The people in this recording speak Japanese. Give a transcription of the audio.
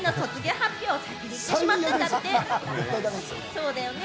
そうだよね。